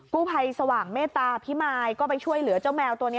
กู้ภัยสว่างเมตตาพิมายก็ไปช่วยเหลือเจ้าแมวตัวนี้